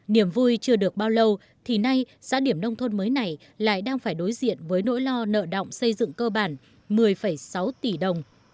điểm vui chưa được bao lâu thì nay xã điểm nông thôn mới này lại đang phải đối diện với nỗi lo nợ động xây dựng cơ bản một mươi sáu tỷ đồng